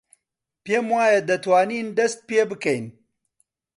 پێم وایە دەتوانین دەست پێ بکەین.